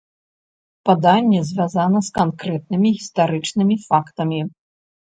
Паданне звязана з канкрэтнымі гістарычнымі фактамі.